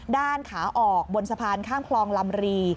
ด้านขาออกบนสะพานข้ามคลองลำรี